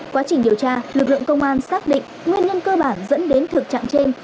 quá trình điều tra lực lượng công an xác định nguyên nhân cơ bản dẫn đến thực trạng trên